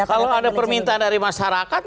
kalau ada permintaan dari masyarakat